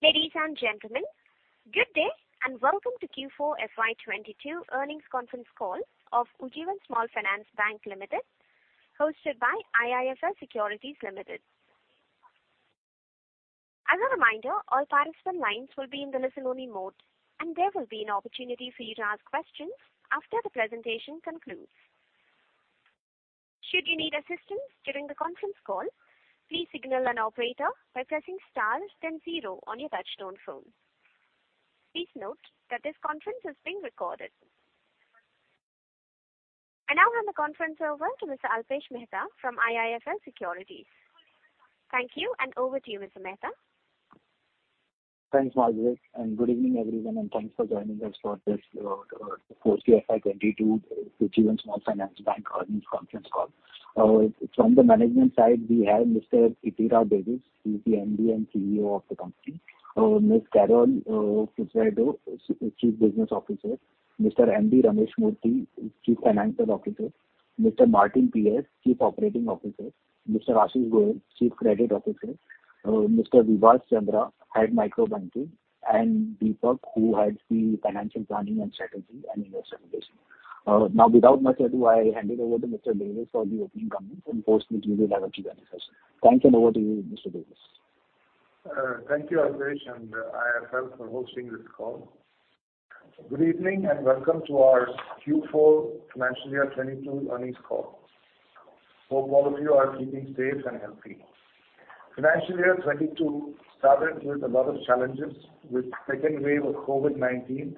Ladies and gentlemen, good day and welcome to Q4 FY 2022 earnings conference call of Ujjivan Small Finance Bank Limited, hosted by IIFL Securities Limited. As a reminder, all participant lines will be in the listen-only mode, and there will be an opportunity for you to ask questions after the presentation concludes. Should you need assistance during the conference call, please signal an operator by pressing star then zero on your touchtone phone. Please note that this conference is being recorded. I now hand the conference over to Mr. Alpesh Mehta from IIFL Securities. Thank you and over to you, Mr. Mehta. Thanks, Margaret, and good evening, everyone, and thanks for joining us for this Q4 FY 2022 Ujjivan Small Finance Bank earnings conference call. From the management side, we have Mr. Ittira Davis, who is the MD and CEO of the company. Ms. Carol Furtado, Chief Business Officer. Mr. MD Ramesh Murthy, Chief Financial Officer. Mr. Martin PS, Chief Operating Officer. Mr. Ashish Goel, Chief Credit Officer. Mr. Vibhas Chandra, Head Micro Banking, and Deepak, who heads the financial planning and strategy and investor relations. Now, without much ado, I hand it over to Mr. Davis for the opening comments, and post which we will have a Q&A session. Thanks, and over to you, Mr. Davis. Thank you, Alpesh and IIFL for hosting this call. Good evening, and welcome to our Q4 financial year 2022 earnings call. Hope all of you are keeping safe and healthy. Financial year 2022 started with a lot of challenges with second wave of COVID-19.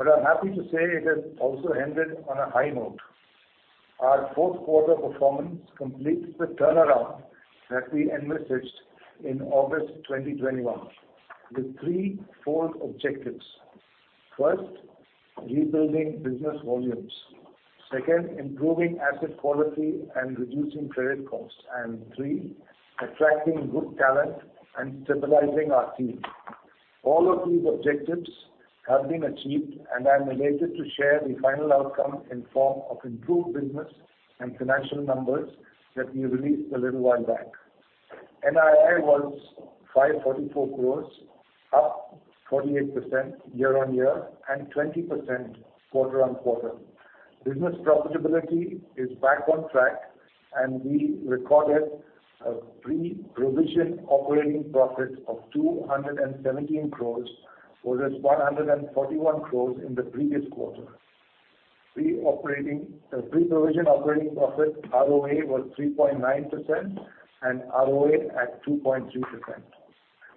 I'm happy to say it has also ended on a high note. Our fourth quarter performance completes the turnaround that we envisaged in August 2021 with threefold objectives. First, rebuilding business volumes. Second, improving asset quality and reducing credit costs. Third, attracting good talent and stabilizing our team. All of these objectives have been achieved, and I'm elated to share the final outcome in form of improved business and financial numbers that we released a little while back. NII was 544 crores, up 48% year-on-year and 20% quarter-on-quarter. Business profitability is back on track. We recorded a pre-provision operating profit of 217 crore versus 141 crore in the previous quarter. Pre-provision operating profit ROA was 3.9% and ROE at 2.2%.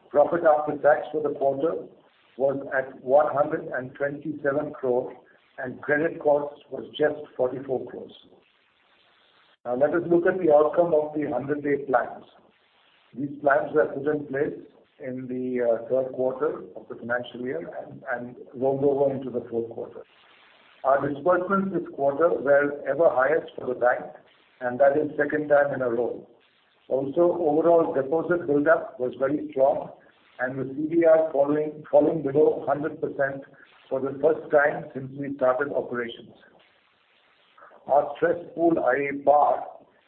Profit after tax for the quarter was at 127 crore and credit cost was just 44 crore. Now let us look at the outcome of the 100-day plans. These plans were put in place in the third quarter of the financial year and rolled over into the fourth quarter. Our disbursements this quarter were highest ever for the bank, and that is second time in a row. Also, overall deposit build-up was very strong, and the CDR falling below 100% for the first time since we started operations. Our stress pool, i.e., PAR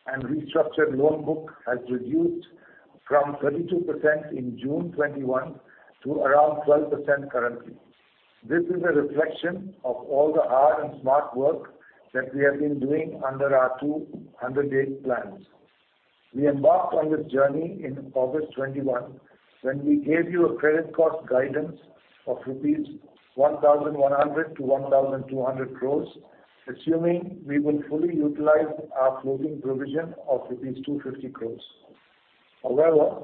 and restructured loan book has reduced from 32% in June 2021 to around 12% currently. This is a reflection of all the hard and smart work that we have been doing under our 200-day plans. We embarked on this journey in August 2021 when we gave you a credit cost guidance of rupees 1,100-1,200 crores, assuming we will fully utilize our floating provision of rupees 250 crores. However,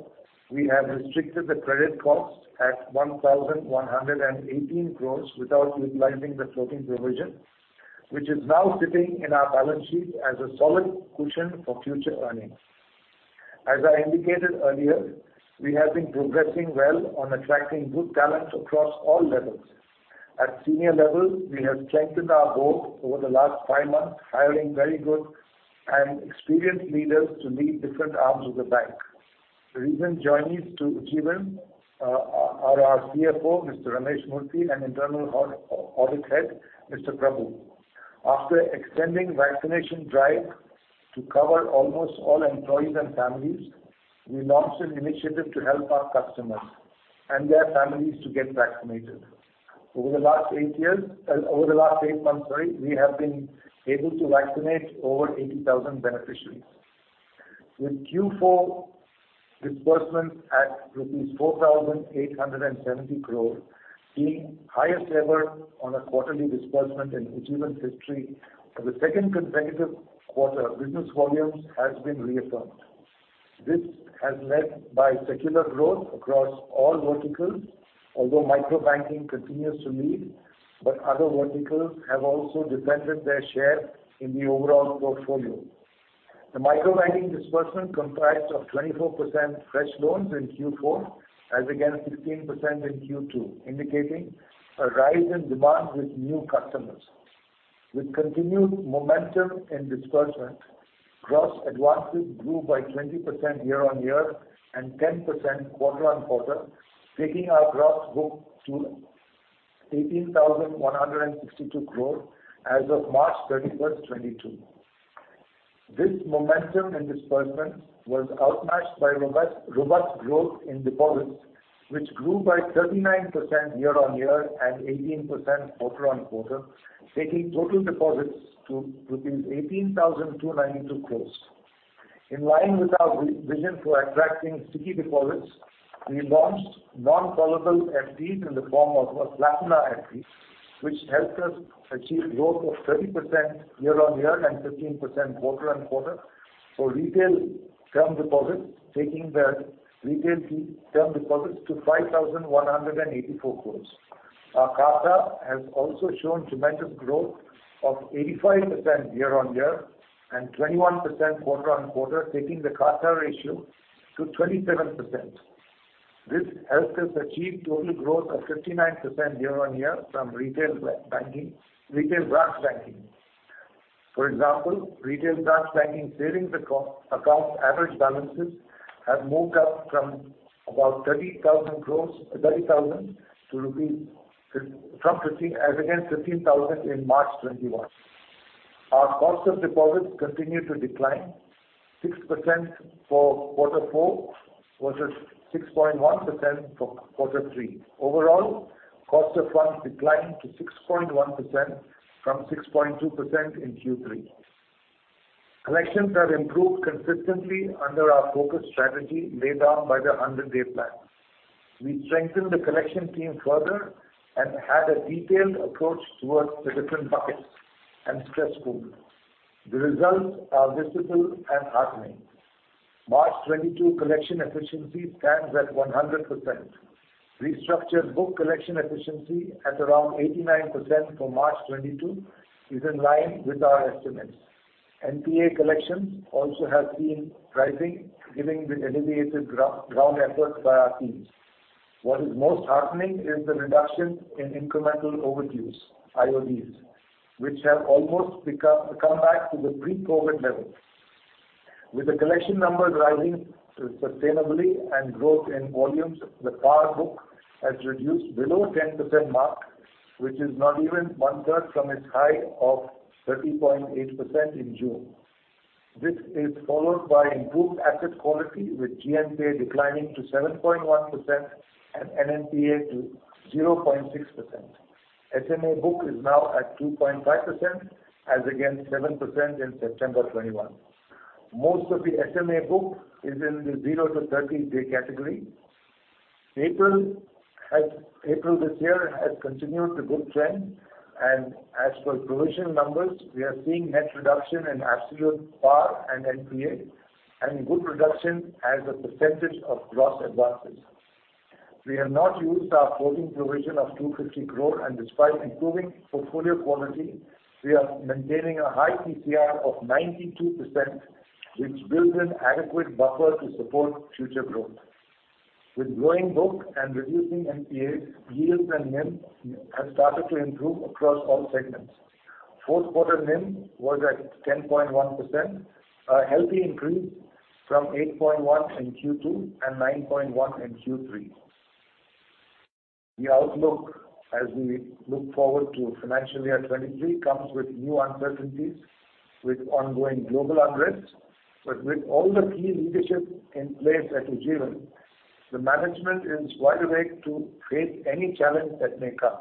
we have restricted the credit cost at 1,118 crores without utilizing the floating provision, which is now sitting in our balance sheet as a solid cushion for future earnings. As I indicated earlier, we have been progressing well on attracting good talent across all levels. At senior level, we have strengthened our board over the last five months, hiring very good and experienced leaders to lead different arms of the bank. Recent joinees to Ujjivan are our CFO, Mr. Ramesh Murthy, and internal audit head, Mr. Prabhu. After extending vaccination drive to cover almost all employees and families, we launched an initiative to help our customers and their families to get vaccinated. Over the last 8 months, we have been able to vaccinate over 80,000 beneficiaries. With Q4 disbursements at rupees 4,870 crore being highest ever on a quarterly disbursement in Ujjivan's history for the second consecutive quarter, business volumes has been reaffirmed. This has led by secular growth across all verticals. Although micro banking continues to lead, but other verticals have also defended their share in the overall portfolio. The micro banking disbursement comprised of 24% fresh loans in Q4 as against 15% in Q2, indicating a rise in demand with new customers. With continued momentum in disbursement, gross advances grew by 20% year-on-year and 10% quarter-on-quarter, taking our gross book to 18,162 crore as of March 31, 2022. This momentum in disbursement was outmatched by robust growth in deposits, which grew by 39% year-on-year and 18% quarter-on-quarter, taking total deposits to rupees 18,292 crore. In line with our vision for attracting sticky deposits, we launched non-callable FDs in the form of Platina FD, which helped us achieve growth of 30% year-on-year and 15% quarter-on-quarter for retail term deposits, taking the retail fixed term deposits to 5,184 crore. Our CASA has also shown tremendous growth of 85% year-on-year and 21% quarter-on-quarter, taking the CASA ratio to 27%. This helped us achieve total growth of 59% year-on-year from retail banking, retail branch banking. For example, retail branch banking savings account average balances have moved up from about 30,000 crore as against 15,000 in March 2021. Our cost of deposits continued to decline 6% for quarter four versus 6.1% for quarter three. Overall, cost of funds declined to 6.1% from 6.2% in Q3. Collections have improved consistently under our focused strategy laid down by the 100-day plan. We strengthened the collection team further and had a detailed approach towards the different buckets and stress pool. The results are visible and heartening. March 2022 collection efficiency stands at 100%. Restructured book collection efficiency at around 89% for March 2022 is in line with our estimates. NPA collections also has been rising, given the elevated ground efforts by our teams. What is most heartening is the reduction in incremental overdues, IODs, which have come back to the pre-COVID levels. With the collection numbers rising sustainably and growth in volumes, the PAR book has reduced below 10% mark, which is not even one-third from its high of 30.8% in June. This is followed by improved asset quality, with GNPA declining to 7.1% and NNPA to 0.6%. SMA book is now at 2.5% as against 7% in September 2021. Most of the SMA book is in the 0-30-day category. April this year has continued the good trend. As for provision numbers, we are seeing net reduction in absolute PAR and NPA and good reduction as a percentage of gross advances. We have not used our contingency provision of 250 crore. Despite improving portfolio quality, we are maintaining a high PCR of 92%, which builds an adequate buffer to support future growth. With growing book and reducing NPAs, yields and NIM have started to improve across all segments. Fourth quarter NIM was at 10.1%, a healthy increase from 8.1% in Q2 and 9.1% in Q3. The outlook as we look forward to financial year 2023 comes with new uncertainties with ongoing global unrest. With all the key leadership in place at Ujjivan, the management is wide awake to face any challenge that may come.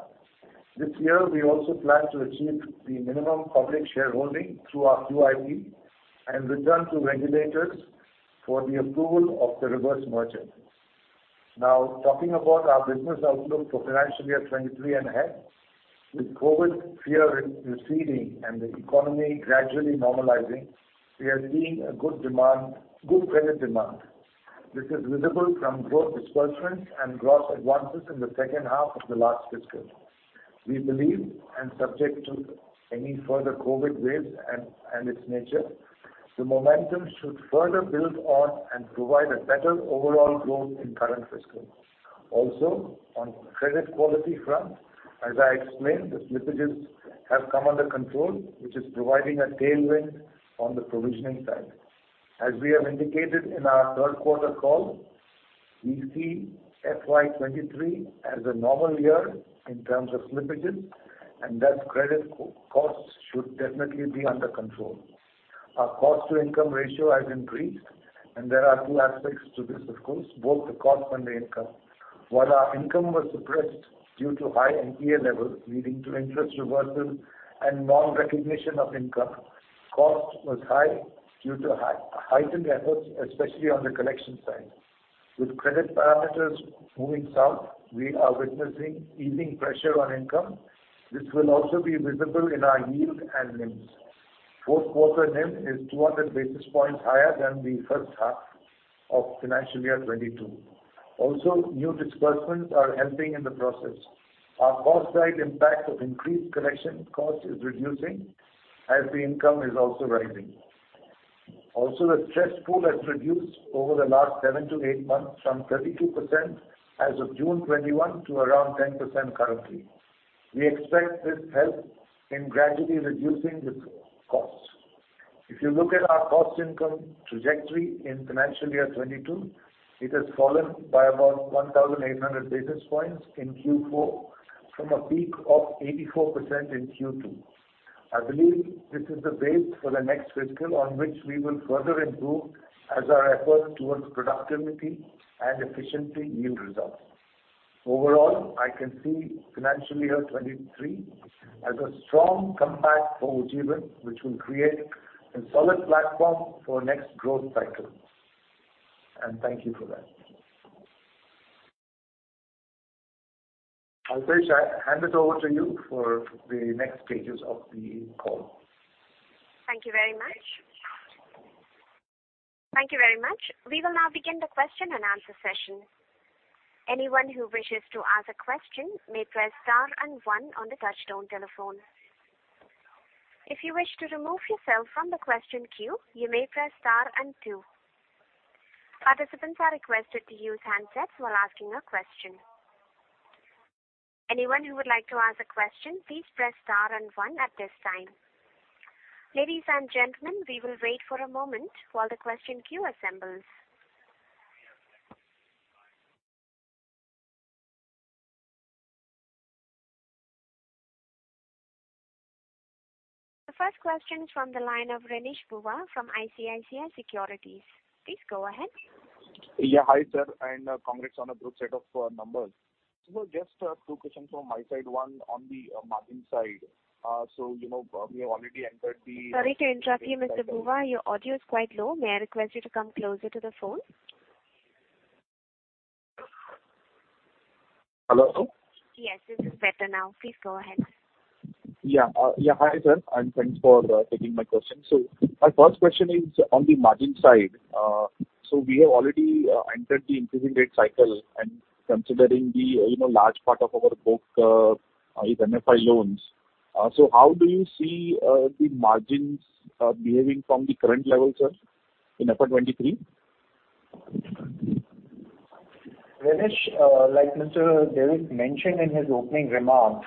This year we also plan to achieve the minimum public shareholding through our QIP and return to regulators for the approval of the reverse merger. Now, talking about our business outlook for financial year 2023 and ahead. With COVID fear receding and the economy gradually normalizing, we are seeing a good demand, good credit demand. This is visible from growth disbursements and gross advances in the second half of the last fiscal. We believe, and subject to any further COVID waves and its nature, the momentum should further build on and provide a better overall growth in current fiscal. Also, on credit quality front, as I explained, the slippages have come under control, which is providing a tailwind on the provisioning side. As we have indicated in our third quarter call, we see FY 2023 as a normal year in terms of slippages and thus credit co-costs should definitely be under control. Our cost to income ratio has increased and there are two aspects to this of course, both the cost and the income. While our income was suppressed due to high NPA levels leading to interest reversals and non-recognition of income, cost was high due to heightened efforts, especially on the collection side. With credit parameters moving south, we are witnessing easing pressure on income. This will also be visible in our yield and NIMs. Fourth quarter NIM is 200 basis points higher than the first half of financial year 2022. Also, new disbursements are helping in the process. Our cost side impact of increased collection cost is reducing as the income is also rising. Also, the stress pool has reduced over the last 7-8 months from 32% as of June 2021 to around 10% currently. We expect this help in gradually reducing the costs. If you look at our cost income trajectory in financial year 2022, it has fallen by about 1,800 basis points in Q4 from a peak of 84% in Q2. I believe this is the base for the next fiscal on which we will further improve as our effort towards productivity and efficiency yield results. Overall, I can see financial year 2023 as a strong comeback for Ujjivan, which will create a solid platform for next growth cycle. Thank you for that. Margaret, I hand it over to you for the next stages of the call. Thank you very much. We will now begin the question and answer session. Anyone who wishes to ask a question may press star and one on the touchtone telephone. If you wish to remove yourself from the question queue, you may press star and two. Participants are requested to use handsets while asking a question. Anyone who would like to ask a question, please press star and one at this time. Ladies and gentlemen, we will wait for a moment while the question queue assembles. The first question is from the line of Renish Bhuva from ICICI Securities. Please go ahead. Yeah. Hi, sir, and congrats on a good set of numbers. Just two questions from my side, one on the margin side. You know, we have already entered the- Sorry to interrupt you, Mr. Bhuva. Your audio is quite low. May I request you to come closer to the phone? Hello? Yes, this is better now. Please go ahead. Hi, sir, and thanks for taking my question. My first question is on the margin side. We have already entered the increasing rate cycle, and considering the, you know, large part of our book is MFI loans. How do you see the margins behaving from the current level, sir, in FY 2023? Renish, Mr. Davis mentioned in his opening remarks,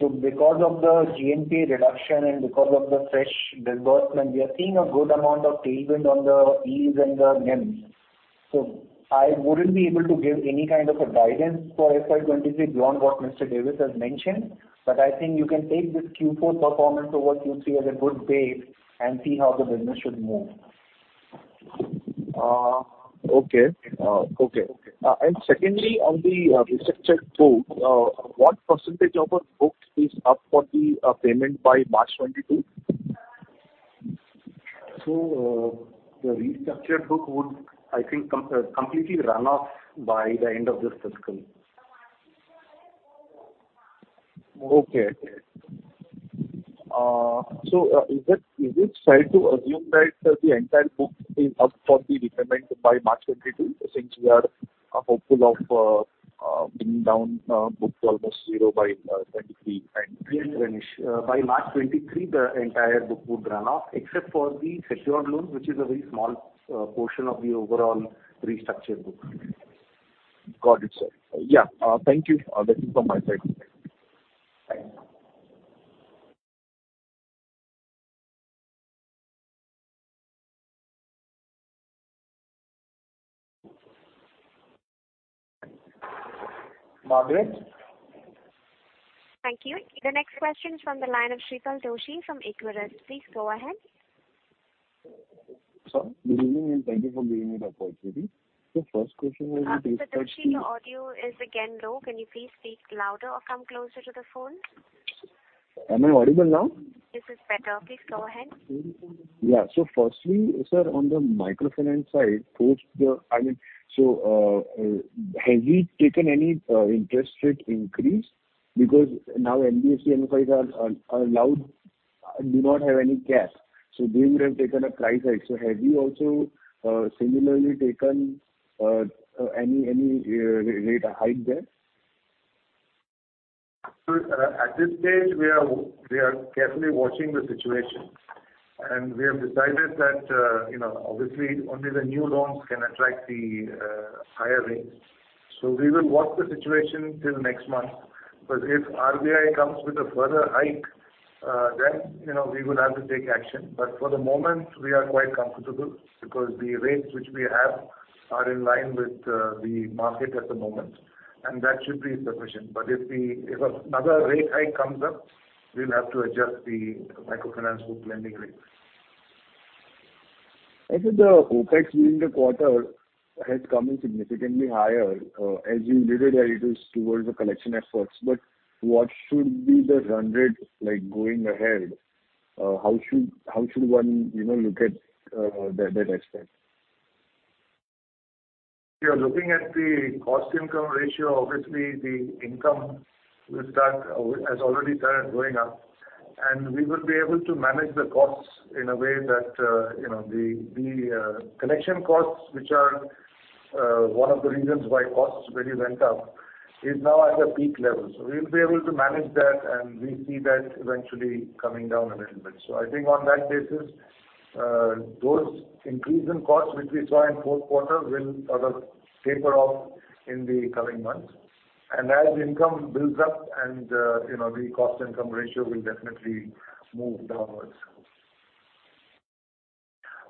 because of the GNPA reduction and because of the fresh disbursement, we are seeing a good amount of tailwind on the yields and the NIM. I wouldn't be able to give any kind of a guidance for FY 2023 beyond what Mr. Davis has mentioned. I think you can take this Q4 performance over Q3 as a good base and see how the business should move. Secondly, on the restructured book, what percentage of a book is up for the payment by March 2022? The restructured book would, I think, completely run off by the end of this fiscal. Is it fair to assume that the entire book is up for the repayment by March 2022 since you are hopeful of bringing down book to almost zero by 2023? Yes, Renish. By March 2023, the entire book would run off except for the secured loan, which is a very small portion of the overall restructured book. Got it, sir. Yeah. Thank you. That's it from my side. Thank you. Margaret? Thank you. The next question is from the line of Shreepal Doshi from Equirus. Please go ahead. Sir, good evening, and thank you for giving me the opportunity. First question will be. Mr. Doshi, your audio is again low. Can you please speak louder or come closer to the phone? Am I audible now? This is better. Please go ahead. Firstly, sir, on the microfinance side, post the moratorium, have we taken any interest rate increase? Because now NBFC-MFIs are allowed do not have any cap, so they would have taken a price hike. Have you also similarly taken any rate hike there? At this stage, we are carefully watching the situation, and we have decided that, you know, obviously only the new loans can attract the higher rates. We will watch the situation till next month, because if RBI comes with a further hike, then, you know, we will have to take action. But for the moment, we are quite comfortable because the rates which we have are in line with the market at the moment, and that should be sufficient. But if another rate hike comes up, we'll have to adjust the microfinance book lending rates. Okay. The OpEx during the quarter has come in significantly higher. As you alluded that it is towards the collection efforts. What should be the run rate like going ahead? How should one, you know, look at that aspect? If you're looking at the cost income ratio, obviously the income will start, as already started going up, and we will be able to manage the costs in a way that, you know, the collection costs, which are one of the reasons why costs really went up is now at a peak level. We'll be able to manage that, and we see that eventually coming down a little bit. I think on that basis, those increase in costs which we saw in fourth quarter will sort of taper off in the coming months. As income builds up and, you know, the cost income ratio will definitely move downwards.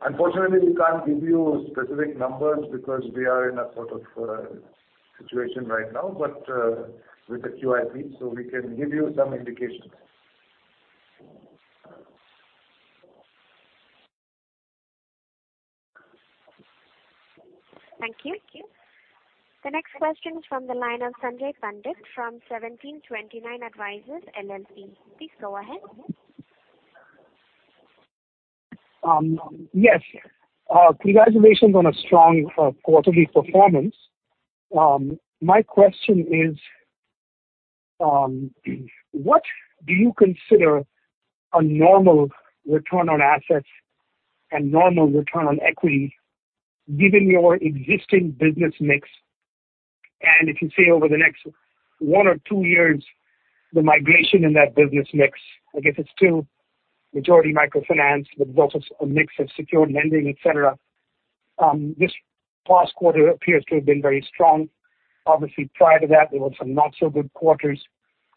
Unfortunately, we can't give you specific numbers because we are in a sort of situation right now, but with the QIP, so we can give you some indications. Thank you. The next question is from the line of Sanjay Pandit from 1729 Advisors LLP. Please go ahead. Yes. Congratulations on a strong quarterly performance. My question is, what do you consider a normal return on assets and normal return on equity given your existing business mix? If you see over the next one or two years the migration in that business mix, I guess it's still majority microfinance, but there's also a mix of secured lending, et cetera. This past quarter appears to have been very strong. Obviously, prior to that, there were some not so good quarters.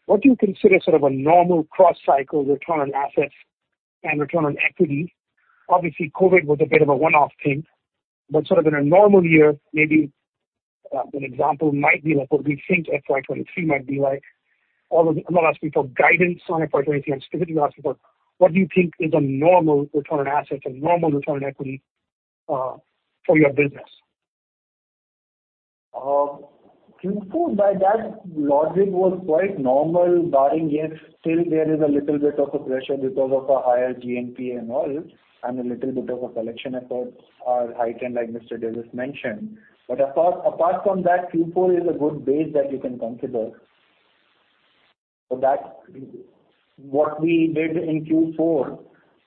What do you consider sort of a normal cross-cycle return on assets and return on equity? Obviously, COVID was a bit of a one-off thing, but sort of in a normal year, maybe an example might be like what we think FY 2023 might be like. Although I'm not asking for guidance on FY 23, I'm specifically asking for what do you think is a normal return on assets, a normal return on equity, for your business? Q4 by that logic was quite normal barring yes, still there is a little bit of a pressure because of a higher GNPA and all, and a little bit of a collection efforts are heightened like Mr. Ittira Davis mentioned. Apart from that, Q4 is a good base that you can consider. That's what we did in Q4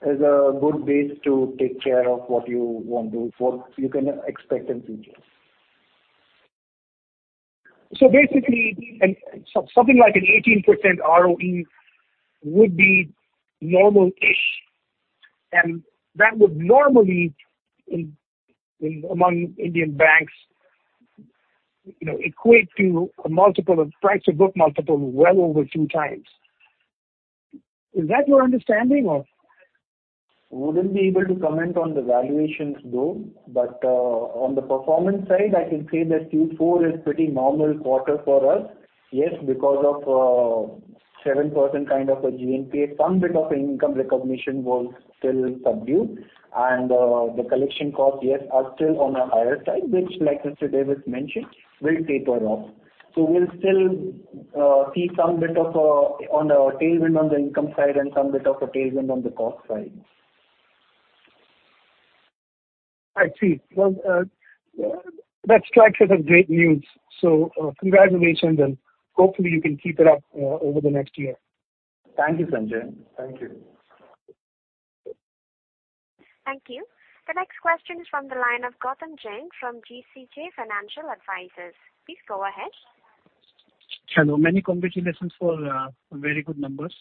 is a good base to take care of what you can expect in future. Basically, something like an 18% ROE would be normal-ish, and that would normally, among Indian banks, you know, equate to a price-to-book multiple well over 2x. Is that your understanding of? Wouldn't be able to comment on the valuations though, but on the performance side, I can say that Q4 is pretty normal quarter for us. Yes, because of 7% kind of a GNPA, some bit of income recognition was still subdued. The collection cost, yes, are still on a higher side, which like Mr. Davis mentioned, will taper off. We'll still see some bit of on the tailwind on the income side and some bit of a tailwind on the cost side. I see. Well, that strikes as a great news, so, congratulations and hopefully you can keep it up, over the next year. Thank you, Sanjay. Thank you. Thank you. The next question is from the line of Gautam Jain from GCJ Financial Advisors. Please go ahead. Hello. Many congratulations for very good numbers.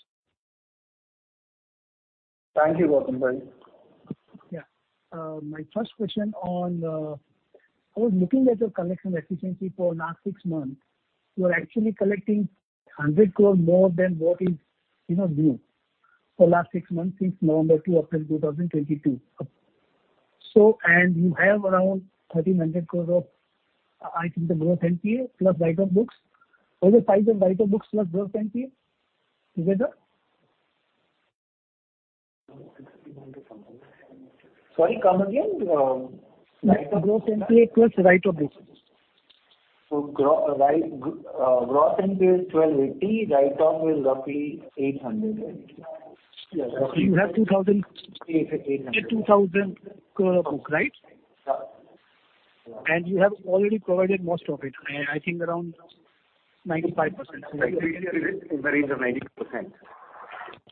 Thank you, Gautam Jain. My first question on I was looking at your collection efficiency for last six months. You are actually collecting 100 crore more than what is in our view for last six months since November to April 2022. You have around 1,300 crore of, I think the gross NPA plus write-offs books. What is the size of write-offs books plus gross NPA together? Sorry. Come again. write-off- Gross NPA plus write-off books. Gross NPA is 1,280, write-off is roughly 800. You have 2,000- 8, 800. 2,000 crore book, right? Yeah. You have already provided most of it. I think around 95%. It is in the range of 90%.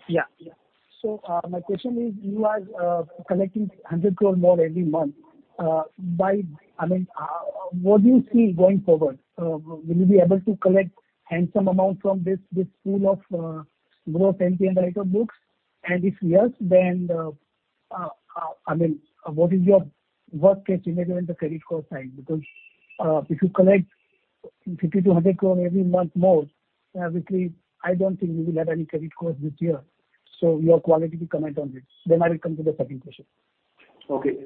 Yeah. My question is you are collecting 100 crore more every month, by, I mean, what do you see going forward? Will you be able to collect handsome amount from this pool of gross NPA and write-off books? If yes, then I mean, what is your worst case scenario in the credit cost side? Because if you collect 50-100 crore every month more, which is, I don't think you will have any credit cost this year. Your qualitative comment on this, then I will come to the second question. Okay.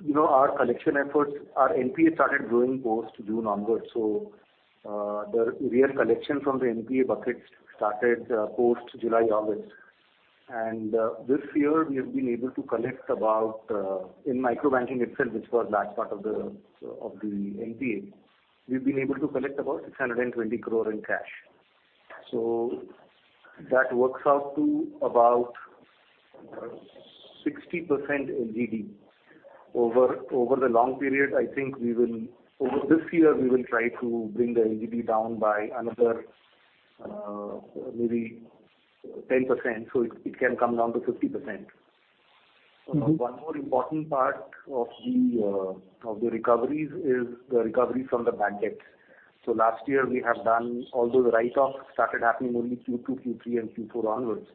You know, our collection efforts, our NPA started growing post June onwards, so the real collection from the NPA bucket started post July, August. This year, in micro banking itself, which was large part of the NPA, we have been able to collect about 620 crore in cash. So that works out to about 60% LGD. Over this year we will try to bring the LGD down by another maybe 10%, so it can come down to 50%. Mm-hmm. One more important part of the recoveries is the recovery from the bad debts. Last year we have done although the write-offs started happening only Q2, Q3, and Q4 onwards.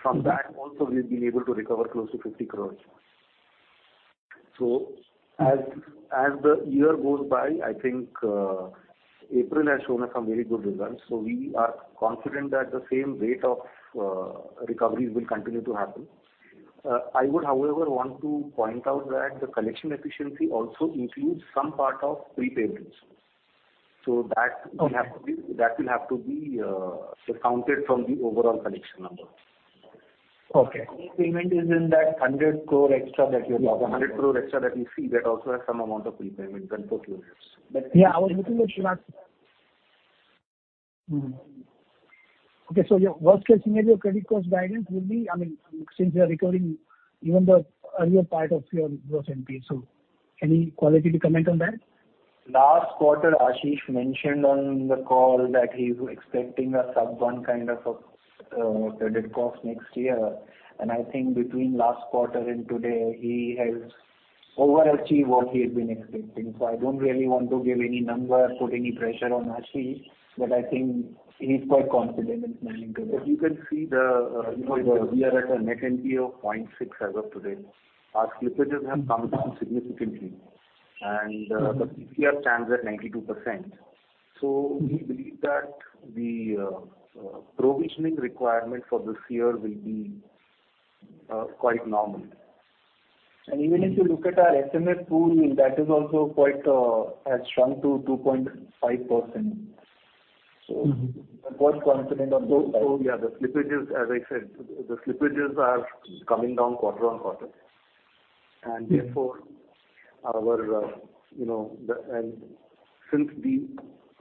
From that also we've been able to recover close to 50 crore. As the year goes by, I think April has shown us some very good results. We are confident that the same rate of recoveries will continue to happen. I would, however, want to point out that the collection efficiency also includes some part of prepayments. That will have to be. Okay. That will have to be, discounted from the overall collection number. Okay. Prepayment is in that 100 crore extra that you have. Yeah. 100 crore extra that you see, that also has some amount of prepayment when put through this. Yeah, I was looking at. [inaudible] Okay. Your worst case scenario credit cost guidance will be, I mean, since you are recovering even the earlier part of your gross NPAs, any qualitative comment on that? Last quarter, Ashish mentioned on the call that he's expecting a sub-1 kind of credit cost next year. I think between last quarter and today, he has overachieved what he had been expecting. I don't really want to give any number or put any pressure on Ashish, but I think he's quite confident in managing this. As you can see, you know, we are at a net NPA of 0.6% as of today. Our slippages have come down significantly and the PCR stands at 92%. We believe that the provisioning requirement for this year will be quite normal. Even if you look at our SMA pool, that is also quite has shrunk to 2.5%. We're quite confident on both sides. Yeah, the slippages, as I said, are coming down quarter-over-quarter. Mm-hmm. Since the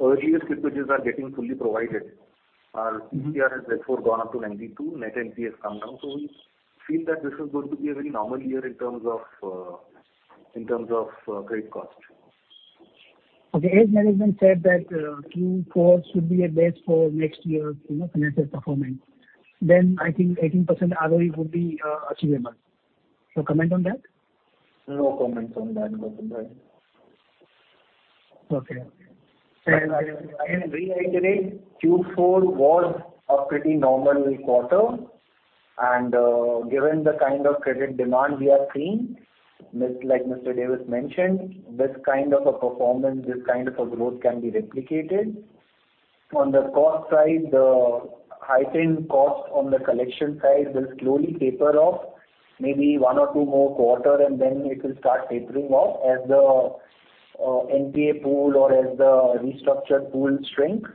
earlier slippages are getting fully provided, our PCR has therefore gone up to 92%, net NPA has come down. We feel that this is going to be a very normal year in terms of credit cost. Okay. As management said that, Q4 should be a base for next year's, you know, financial performance, then I think 18% ROE would be achievable. Your comment on that? No comment on that, Gautam. Okay. I reiterate Q4 was a pretty normal quarter and, given the kind of credit demand we are seeing, this, like Mr. Davis mentioned, this kind of a performance, this kind of a growth can be replicated. On the cost side, the heightened cost on the collection side will slowly taper off maybe one or two more quarter and then it will start tapering off as the NPA pool or as the restructured pool shrink.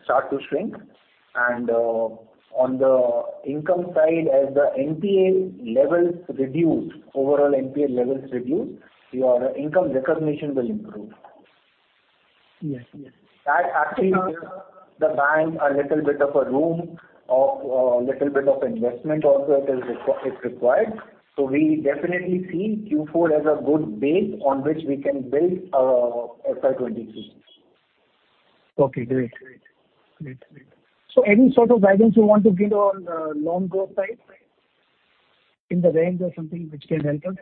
On the income side, as the NPA levels reduce, overall NPA levels reduce, your income recognition will improve. Yes. Yes. That actually gives the bank a little bit of room for investment also if it's required. We definitely see Q4 as a good base on which we can build our FY 2023. Okay, great. Any sort of guidance you want to give on loan growth side? In the range or something which can help us.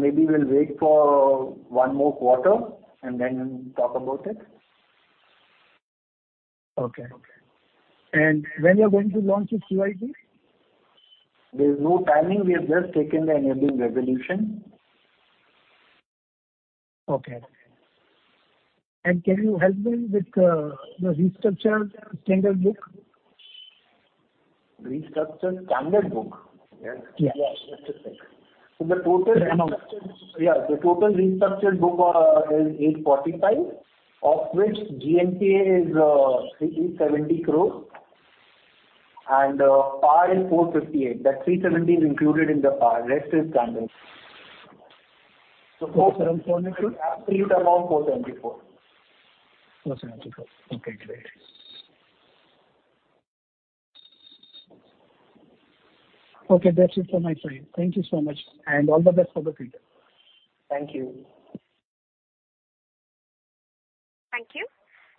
Maybe we'll wait for one more quarter and then talk about it. Okay. When you're going to launch your QIP? There's no timing. We have just taken the enabling resolution. Okay. Can you help me with the restructured standard book? Restructured standard book? Yes. Yes. Just a sec. The total- The amount. Yeah. The total restructured book is 845 crore, of which GNPA is 370 crore and PAR is 458 crore. That 370 is included in the PAR, rest is standard. 474. Absolute amount 474. 474. Okay, great. Okay, that's it from my side. Thank you so much and all the best for the future. Thank you. Thank you.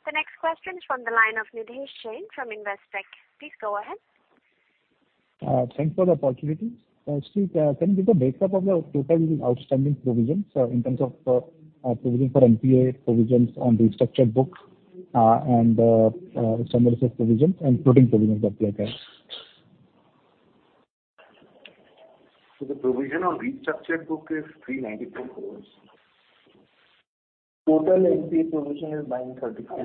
The next question is from the line of Nidhesh Jain from Investec. Please go ahead. Thanks for the opportunity. Ashish, can you give the breakdown of your total outstanding provisions, in terms of provision for NPA, provisions on restructured book, and standard asset provisions and floating provisions, if you have that? The provision on restructured book is 394 crore. Total NPA provision is 934 crore.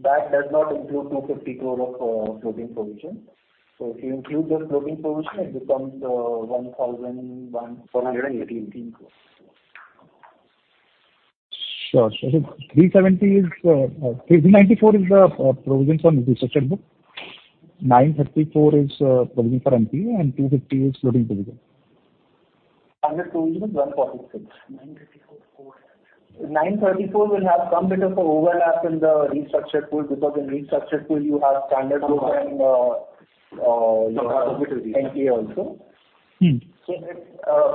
That does not include 250 crore of floating provision. If you include the floating provision it becomes 1,184 crore. Sure. 370 is 394, the provisions on restructured book. 934 is provision for NPA and 250 is floating provision. Standard provision is INR 146. INR 934 is core. 934 will have some bit of a overlap in the restructured pool because in restructured pool you have standard book and you have NPA also. Hmm.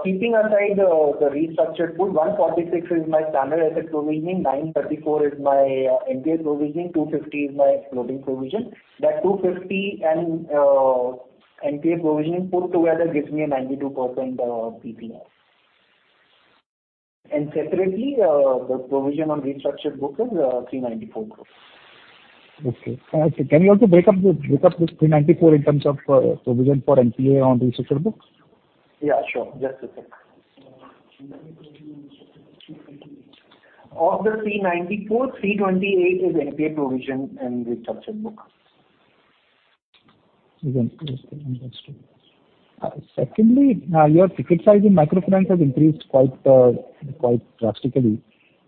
Keeping aside the restructured pool, 146 is my standard asset provisioning, 934 is my NPA provisioning, 250 is my floating provision. That 250 and NPA provisioning put together gives me a 92% PCR. Separately, the provision on restructured book is 394 crore. Okay. Can you also break up this 394 in terms of provision for NPA on restructured books? Yeah, sure. Just a sec. Of the 394, 328 is NPA provision and restructured book. Understand. Secondly, your ticket size in microfinance has increased quite drastically.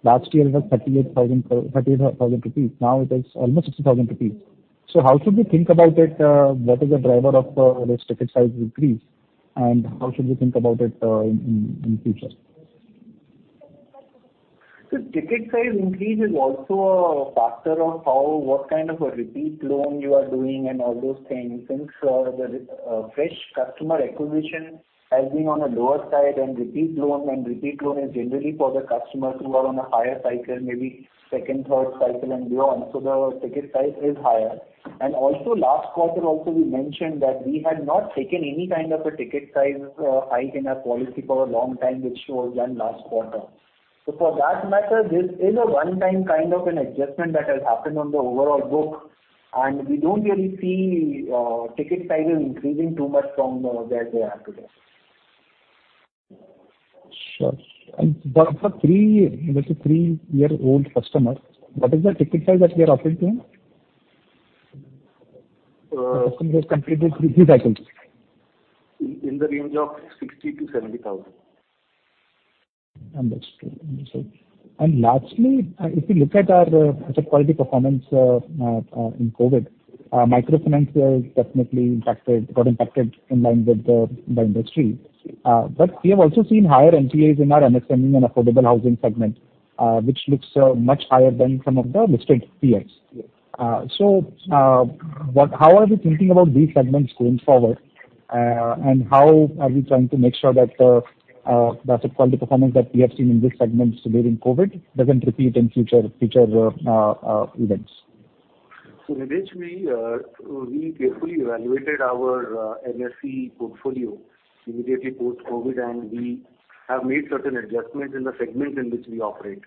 Last year it was 38,000 rupees. Now it is almost 60,000 rupees. How should we think about it? What is the driver of this ticket size increase, and how should we think about it in future? The ticket size increase is also a factor of how, what kind of a repeat loan you are doing and all those things since the fresh customer acquisition has been on a lower side and repeat loan is generally for the customers who are on a higher cycle, maybe second, third cycle and beyond. The ticket size is higher. Also last quarter also we mentioned that we had not taken any kind of a ticket size hike in our policy for a long time, which was done last quarter. For that matter, this is a one time kind of an adjustment that has happened on the overall book, and we don't really see ticket sizes increasing too much from where they are today. Sure. For three, let's say three-year-old customer, what is the ticket size that we are offering to him? Uh- The customer who has completed 3 cycles. In the range of 60,000-70,000. Understood. Lastly, if you look at our asset quality performance in COVID, microfinance is definitely impacted, got impacted in line with the industry. We have also seen higher NPAs in our MSME and affordable housing segment, which looks much higher than some of the listed peers. How are we thinking about these segments going forward? How are we trying to make sure that the asset quality performance that we have seen in these segments during COVID doesn't repeat in future events? Nidhesh, we carefully evaluated our MSME portfolio immediately post-COVID, and we have made certain adjustments in the segments in which we operate.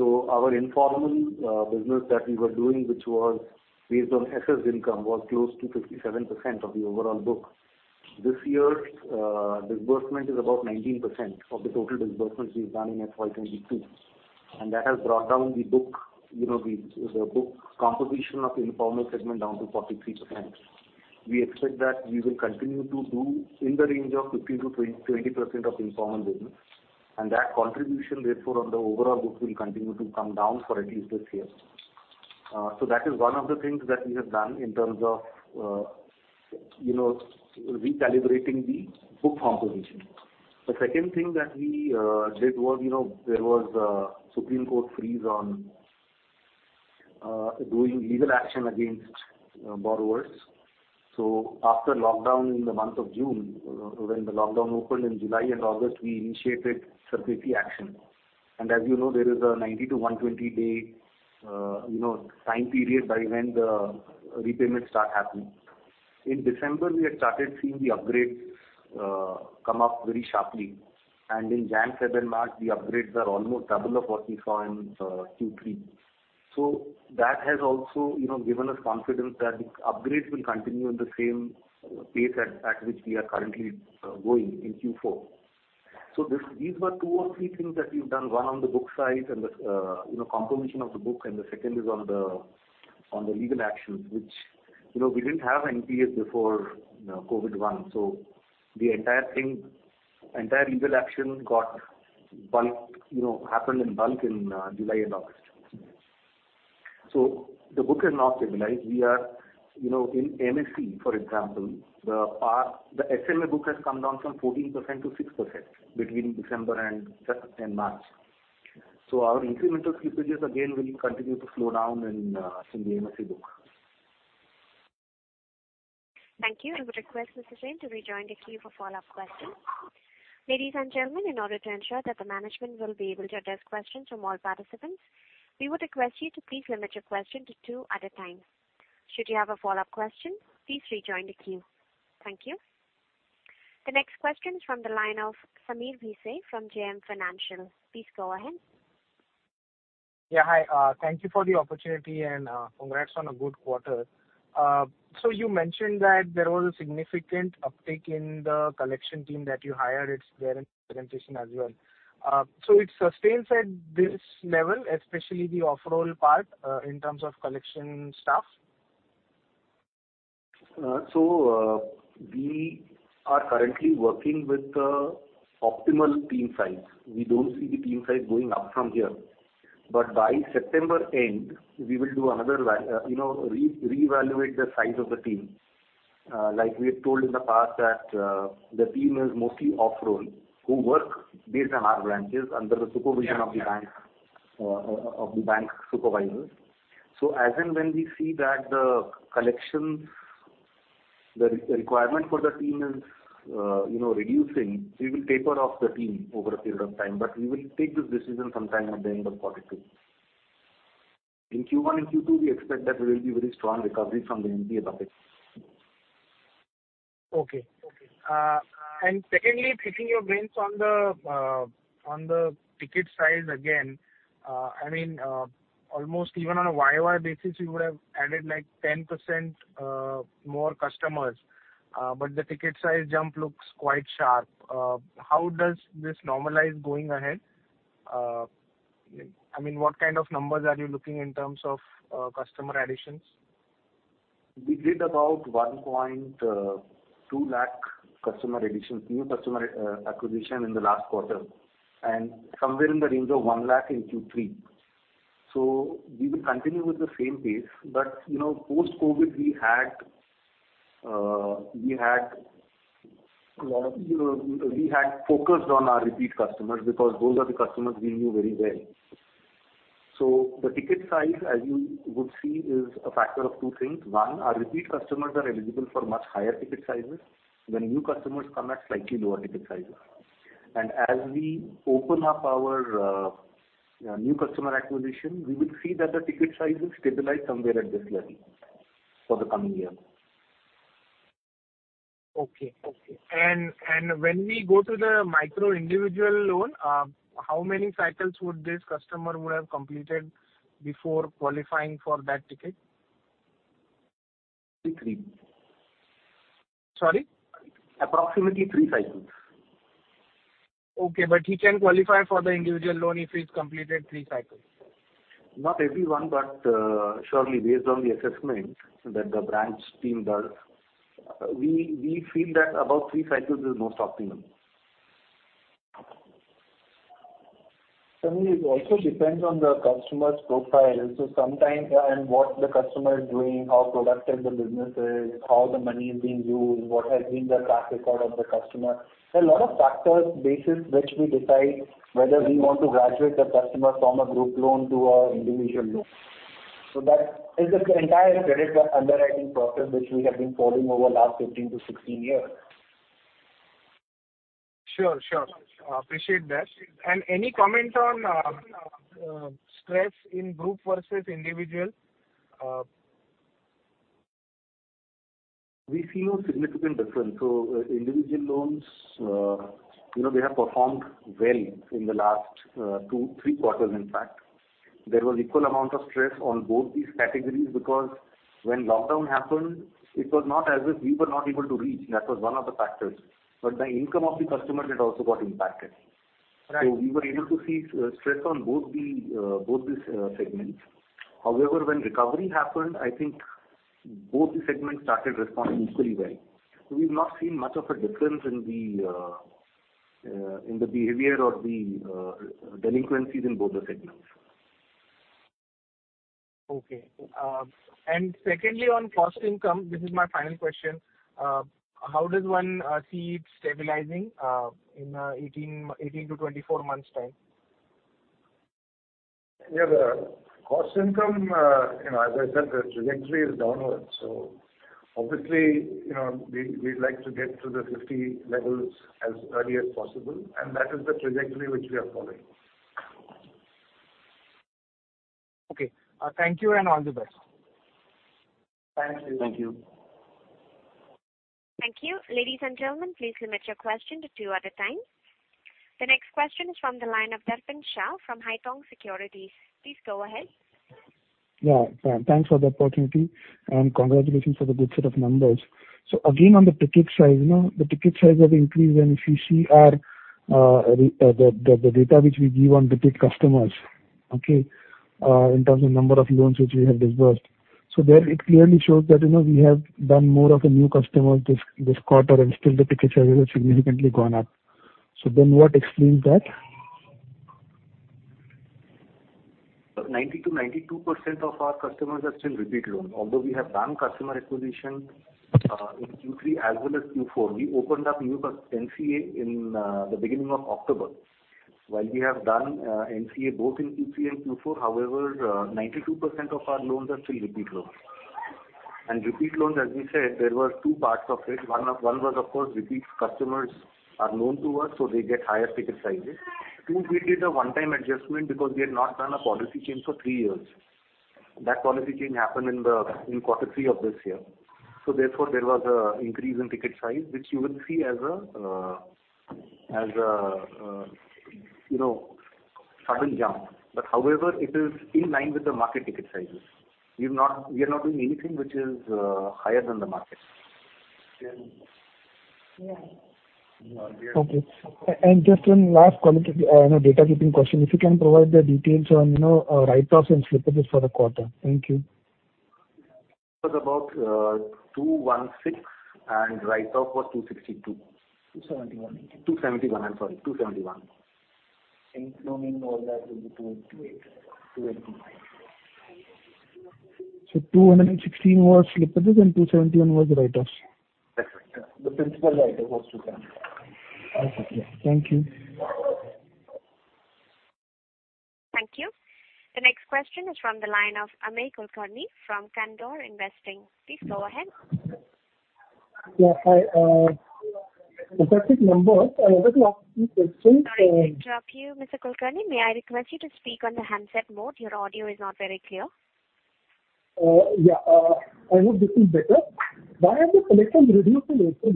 Our informal business that we were doing, which was based on excess income, was close to 57% of the overall book. This year's disbursement is about 19% of the total disbursements we've done in FY 2022 and that has brought down the book composition of informal segment down to 43%. We expect that we will continue to do in the range of 15%-20% of informal business and that contribution therefore on the overall book will continue to come down for at least this year. That is one of the things that we have done in terms of recalibrating the book composition. The second thing that we did was, you know, there was a Supreme Court freeze on doing legal action against borrowers. After lockdown in the month of June, when the lockdown opened in July and August, we initiated recovery action and as you know, there is a 90-120 day, you know, time period by when the repayments start happening. In December, we had started seeing the upgrades come up very sharply and in January, February and March the upgrades are almost double of what we saw in Q3. That has also, you know, given us confidence that the upgrades will continue in the same pace at which we are currently going in Q4. These were two or three things that we've done, one on the book side and the composition of the book and the second is on the legal actions which, you know, we didn't have NPAs before COVID-19 so the entire thing, entire legal action, you know, happened in bulk in July and August. The book is now stabilized. We are, you know, in MSME for example, our SMA book has come down from 14%-6% between December and February and March. Our incremental slippages again will continue to slow down in the MSME book. Thank you. I would request Mr. Jain to rejoin the queue for follow-up questions. Ladies and gentlemen, in order to ensure that the management will be able to address questions from all participants, we would request you to please limit your question to two at a time. Should you have a follow-up question, please rejoin the queue. Thank you. The next question is from the line of Sameer Bhise from JM Financial. Please go ahead. Yeah. Hi, thank you for the opportunity and, congrats on a good quarter. You mentioned that there was a significant uptick in the collection team that you hired. It's there in presentation as well. It sustains at this level, especially the off-roll part, in terms of collection staff? We are currently working with the optimal team size. We don't see the team size going up from here. By September end we will do another, you know, reevaluate the size of the team. Like we have told in the past that the team is mostly off-roll who work based on our branches under the supervision of the bank supervisors. As and when we see that the collections, the requirement for the team is, you know, reducing, we will taper off the team over a period of time. We will take this decision sometime at the end of quarter two. In Q1 and Q2 we expect that there will be very strong recovery from the NPA uptick. Secondly, picking your brains on the ticket size again, I mean, almost even on a YY basis, you would have added like 10% more customers. The ticket size jump looks quite sharp. How does this normalize going ahead? I mean, what kind of numbers are you looking in terms of customer additions? We did about 1.2 lakh customer additions, new customer acquisition in the last quarter and somewhere in the range of 1 lakh in Q3. We will continue with the same pace. You know post-COVID we had focused on our repeat customers because those are the customers we knew very well. The ticket size, as you would see, is a factor of two things. One, our repeat customers are eligible for much higher ticket sizes when new customers come at slightly lower ticket sizes. As we open up our new customer acquisition, we will see that the ticket sizes stabilize somewhere at this level for the coming year. When we go to the micro individual loan, how many cycles would this customer have completed before qualifying for that ticket? Three. Sorry. Approximately three cycles. Okay. He can qualify for the individual loan if he's completed three cycles. Not everyone, but surely based on the assessment that the branch team does, we feel that about three cycles is most optimum. Sameer, it also depends on the customer's profile. Sometimes and what the customer is doing, how productive the business is, how the money is being used, what has been the track record of the customer. There are a lot of factors basis which we decide whether we want to graduate the customer from a group loan to an individual loan. That is the entire credit underwriting process which we have been following over the last 15-16 years. Sure, sure. Appreciate that. Any comment on stress in group versus individual? We see no significant difference. Individual loans, you know, they have performed well in the last two, three quarters in fact. There was equal amount of stress on both these categories because when lockdown happened, it was not as if we were not able to reach. That was one of the factors. The income of the customers had also got impacted. Right. We were able to see stress on both these segments. However, when recovery happened, I think both the segments started responding equally well. We've not seen much of a difference in the behavior of the delinquencies in both the segments. Okay. Secondly, on cost income, this is my final question. How does one see it stabilizing in 18 to 24 months time? Yeah. The cost-income, you know, as I said, the trajectory is downward. Obviously, you know, we'd like to get to the 50 levels as early as possible and that is the trajectory which we are following. Okay. Thank you and all the best. Thanks. Thank you. Thank you. Ladies and gentlemen, please limit your question to two at a time. The next question is from the line of Darpin Shah from Haitong Securities. Please go ahead. Yeah. Thanks for the opportunity and congratulations for the good set of numbers. Again, on the ticket size, you know, the ticket size have increased even if you see our the data which we give on repeat customers, okay, in terms of number of loans which we have disbursed. There it clearly shows that, you know, we have done more of a new customer this quarter and still the ticket sizes have significantly gone up. What explains that? 90%-92% of our customers are still repeat loans although we have done customer acquisition in Q3 as well as Q4. We opened up new NCA in the beginning of October while we have done NCA both in Q3 and Q4. However, 92% of our loans are still repeat loans. Repeat loans, as we said, there were two parts of it. One was of course repeat customers are known to us, so they get higher ticket sizes. Two, we did a one-time adjustment because we had not done a policy change for 3 years. That policy change happened in quarter three of this year. Therefore there was an increase in ticket size which you will see as a, as a, you know, sudden jump. However it is in line with the market ticket sizes. We are not doing anything which is higher than the market. Okay. Just one last housekeeping question. If you can provide the details on, you know, write-offs and slippages for the quarter. Thank you. It was about 216 and write-off was 262. 271. I'm sorry. 271. Including all that will be 288, INR 289. 216 was slippages and 271 was the write-offs. That's it. Yeah. The principal write-off was 271. Okay. Thank you. Thank you. The next question is from the line of Amey Kulkarni from Candor Investing. Please go ahead. Yes. Hi, I wanted to ask you a question. Sorry to interrupt you, Mr. Kulkarni. May I request you to speak on the handset mode? Your audio is not very clear. Yeah. I hope this is better. Why have the collections reduced in April?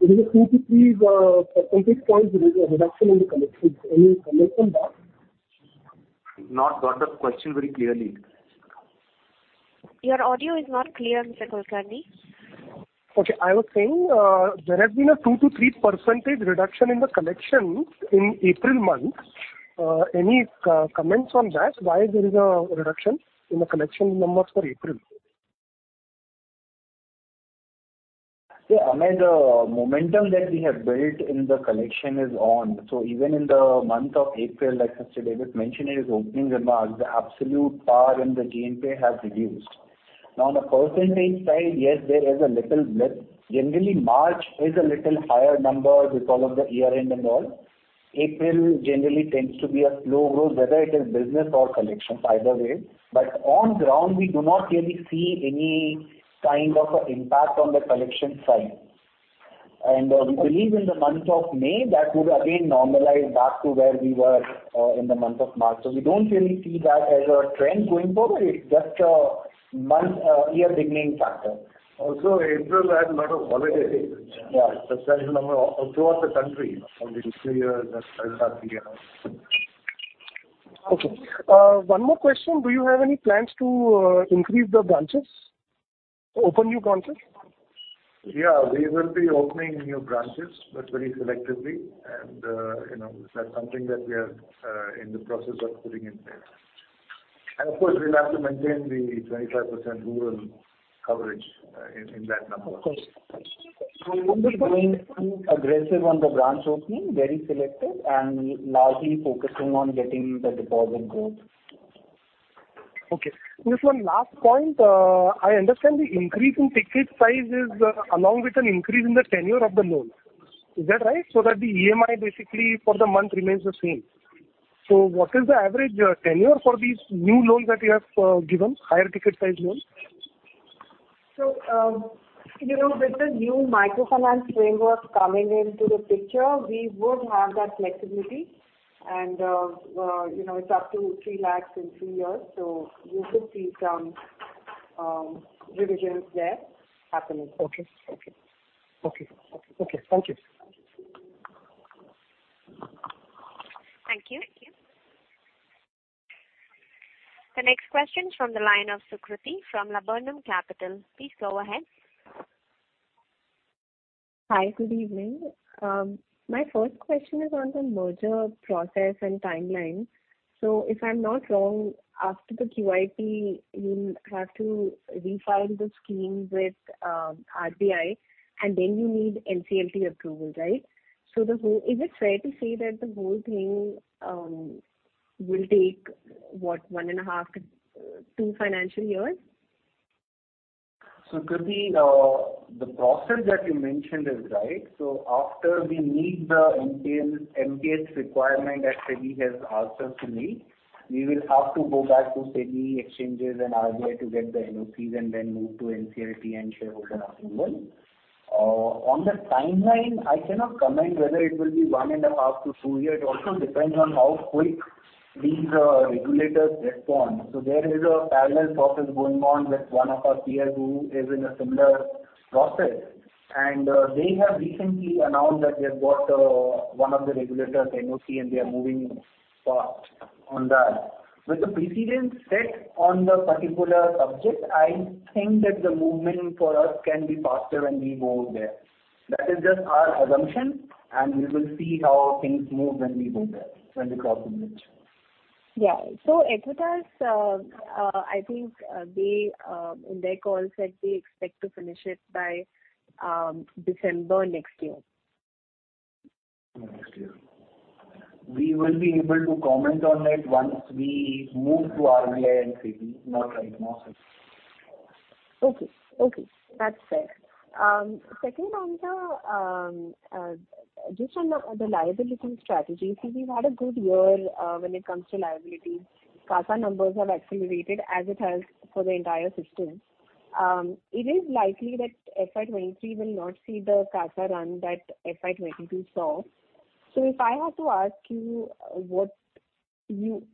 There is a 2-3 percentage points reduction in the collections. Any comment on that? Not got the question very clearly. Your audio is not clear, Mr. Kulkarni. Okay. I was saying, there has been a 2%-3% reduction in the collections in April month. Any comments on that? Why is there a reduction in the collection numbers for April? Yeah. I mean, the momentum that we have built in the collection is on. Even in the month of April, like Mr. Davis mentioned in his opening remarks, the absolute PAR in the GNPA has reduced. Now, on a percentage side, yes, there is a little blip. Generally, March is a little higher number because of the year-end and all. April generally tends to be a slow growth, whether it is business or collections, either way. On ground, we do not really see any kind of impact on the collection side. We believe in the month of May that would again normalize back to where we were in the month of March. We don't really see that as a trend going forward. It's just a month, year beginning factor. Also April had a lot of holidays. Yeah. Especially number of throughout the country from the New Year, that festival here. Okay. One more question. Do you have any plans to increase the branches? Open new branches? Yeah. We will be opening new branches, but very selectively and, you know, that's something that we are in the process of putting in place. Of course, we'll have to maintain the 25% rural coverage in that number. Of course. We won't be going aggressive on the branch opening, very selective and largely focusing on getting the deposit growth. Okay. Just one last point. I understand the increase in ticket size is along with an increase in the tenure of the loan. Is that right? That the EMI basically for the month remains the same. What is the average tenure for these new loans that you have given higher ticket size loans? You know, with the new microfinance framework coming into the picture, we would have that flexibility and, you know, it's up to 3 lakhs in three years. You could see some revisions there happening. Okay. Thank you. Thank you. The next question is from the line of Sukriti from Laburnum Capital. Please go ahead. Hi. Good evening. My first question is on the merger process and timeline. If I'm not wrong, after the QIP, you have to refile the scheme with RBI, and then you need NCLT approval, right? Is it fair to say that the whole thing will take, what, 1.5-2 financial years? Sukriti, the process that you mentioned is right. After we meet the NCLT requirement that SEBI has asked us to meet, we will have to go back to SEBI, exchanges and RBI to get the NOCs and then move to NCLT and shareholder approval. On the timeline, I cannot comment whether it will be 1.5-2 years. It also depends on how quick these regulators respond. There is a parallel process going on with one of our peers who is in a similar process, and they have recently announced that they have got one of the regulators' NOC and they are moving fast on that. With the precedent set on the particular subject, I think that the movement for us can be faster when we move there. That is just our assumption and we will see how things move when we move there, when we cross the bridge. Yeah. Equitas, I think, they, in their call said they expect to finish it by December next year. Next year. We will be able to comment on it once we move to RBI and SEBI. Not right now, Sukriti. Okay. Okay, that's fair. Second, on the liability strategy. We've had a good year when it comes to liabilities. CASA numbers have accelerated as it has for the entire system. It is likely that FY 2023 will not see the CASA run that FY 2022 saw. If I have to ask you what you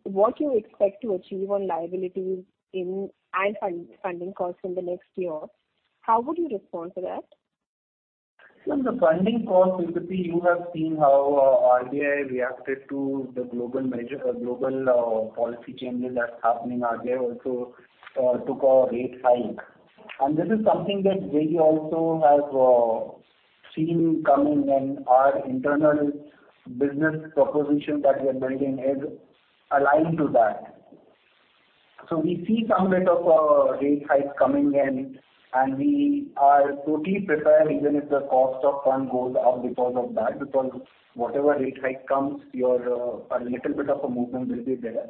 expect to achieve on liabilities and funding costs in the next year, how would you respond to that? Ma'am, the funding cost, Sukriti. You have seen how RBI reacted to the global policy changes that's happening. RBI also took a rate hike. This is something that we also have seen coming and our internal business proposition that we are building is aligned to that. We see some bit of a rate hike coming and we are totally prepared even if the cost of fund goes up because of that. Whatever rate hike comes, your a little bit of a movement will be there.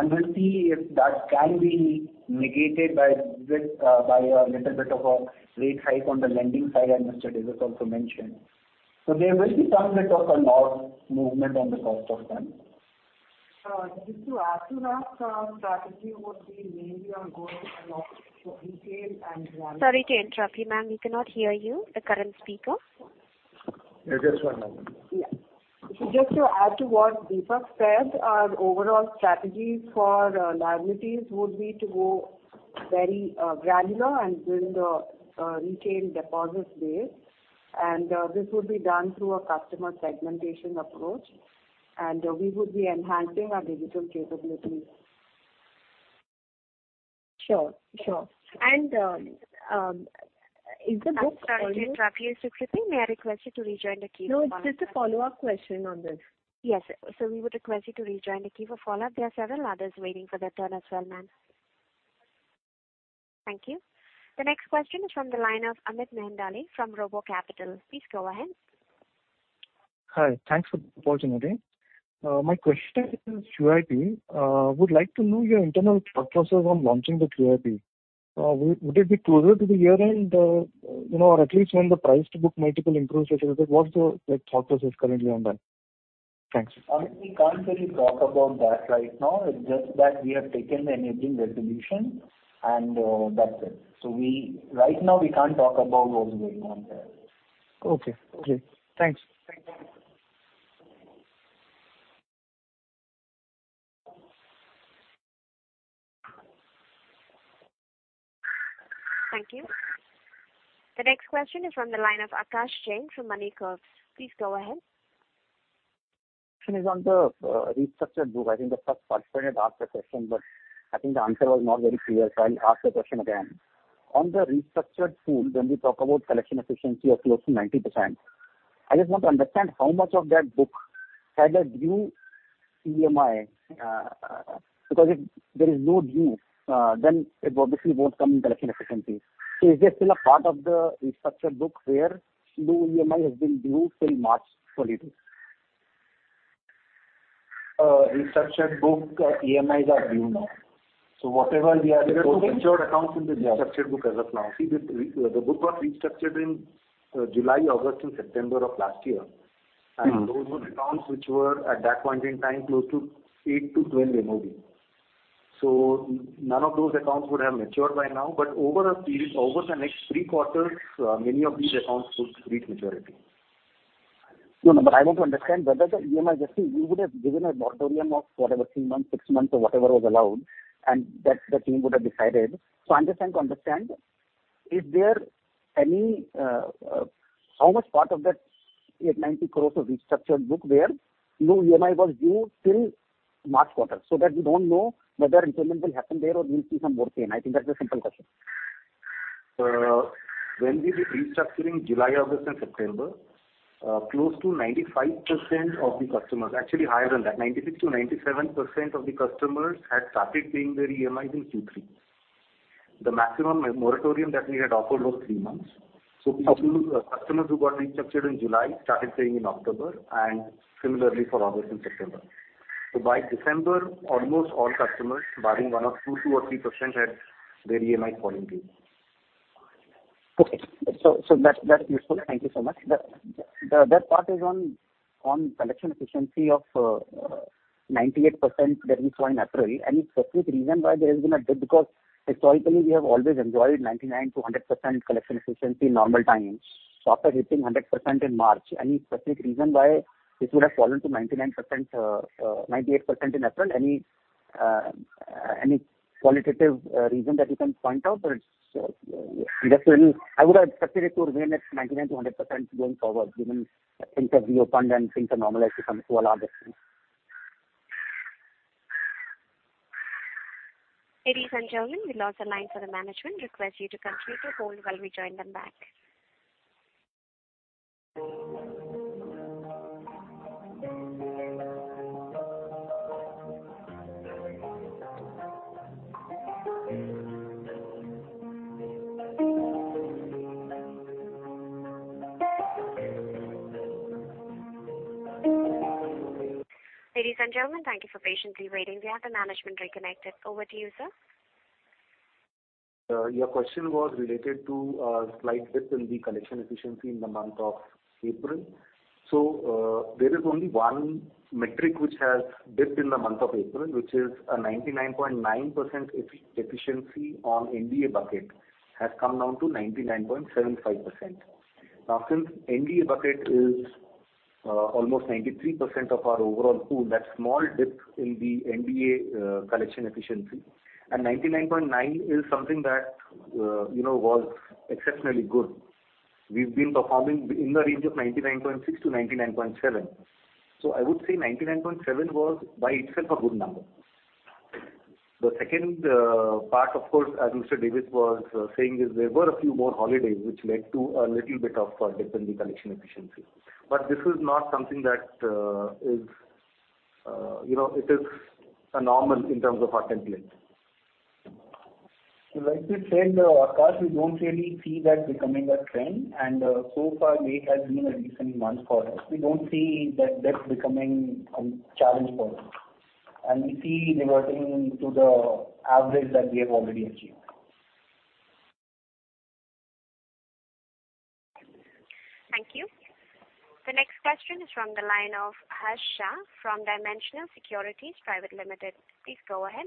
We'll see if that can be negated by a little bit of a rate hike on the lending side, as Mr. Davis also mentioned. There will be some bit of a north movement on the cost of funds. Just to add to that, strategy would be maybe going a lot to retail and- Sorry to interrupt you, ma'am. We cannot hear you, the current speaker. Yeah, just one moment. Yeah. Just to add to what Deepak said, our overall strategy for liabilities would be to go very granular and build a retail deposit base and this would be done through a customer segmentation approach and we would be enhancing our digital capabilities. Sure. Sure. Is the book- I'm sorry to interrupt you, Sukriti. May I request you to rejoin the queue for follow-up? No, it's just a follow-up question on this. Yes. We would request you to rejoin the queue for follow-up. There are several others waiting for their turn as well, ma'am. Thank you. The next question is from the line of Amit Mehendale from RoboCapital. Please go ahead. Hi. Thanks for the opportunity. My question is QIP. Would like to know your internal thought process on launching the QIP. Would it be closer to the year-end, you know, or at least when the price to book multiple improves et cetera? What's the, like, thought process currently on that? Thanks. Amit, we can't really talk about that right now. It's just that we have taken the enabling resolution and, that's it. Right now we can't talk about what is going on there. Okay. Thanks. Thank you. The next question is from the line of Akash Jain from Moneycurves. Please go ahead. Question is on the restructured book. I think the first participant had asked the question, but I think the answer was not very clear, so I'll ask the question again. On the restructured pool, when we talk about collection efficiency of close to 90%, I just want to understand how much of that book had a due EMI, because if there is no due, then it obviously won't come in collection efficiency. Is there still a part of the restructured book where new EMI has been due till March 2022? Restructured book, EMIs are due now. Whatever we are reporting. There are no matured accounts in the restructured book as of now. See, the book was restructured in July, August and September of last year. Mm-hmm. Those were accounts which were at that point in time close to 8 to 12 EMI due. None of those accounts would have matured by now, but over a period, over the next three quarters, many of these accounts would reach maturity. No, no. I want to understand whether the EMI. Just see, you would have given a moratorium of whatever, three months, six months or whatever was allowed and that the team would have decided. I'm just trying to understand is there any. How much part of that 890 crore of restructured book where new EMI was due till March quarter, so that we don't know whether installment will happen there or we'll see some more pain. I think that's a simple question. When we did restructuring July, August and September, close to 95% of the customers, actually higher than that, 96%-97% of the customers had started paying their EMIs in Q3. The maximum moratorium that we had offered was three months. Okay. Customers who got restructured in July started paying in October and similarly for August and September. By December, almost all customers barring one or two, 2% or 3% had their EMIs falling due. Okay. That's useful. Thank you so much. The other part is on collection efficiency of 98% that we saw in April. Any specific reason why there has been a dip? Because historically we have always enjoyed 99%-100% collection efficiency in normal times, topped at hitting 100% in March. Any specific reason why this would have fallen to 99%, 98% in April? Any qualitative reason that you can point out or it's just a. I would have expected it to remain at 99%-100% going forward given things have reopened and things are normalizing from COVID logistics. Ladies and gentlemen, we lost the line for the management. Request you to kindly stay on hold while we join them back. Ladies and gentlemen, thank you for patiently waiting. We have the management reconnected. Over to you, sir. Your question was related to a slight dip in the collection efficiency in the month of April. There is only one metric which has dipped in the month of April, which is 99.9% efficiency on NDA bucket has come down to 99.75%. Now, since NDA bucket is almost 93% of our overall pool, that small dip in the NDA collection efficiency and 99.9 is something that, you know, was exceptionally good. We've been performing in the range of 99.6%-99.7%. I would say 99.7 was by itself a good number. The second part of course, as Mr. Davis was saying is there were a few more holidays which led to a little bit of a dip in the collection efficiency. This is not something that is, you know, normal in terms of our template. Like we said, Akash, we don't really see that becoming a trend, and so far May has been a decent month for us. We don't see that dip becoming a challenge for us and we see reverting to the average that we have already achieved. The next question is from the line of Harsh Shah from Dimensional Securities Pvt. Ltd. Please go ahead.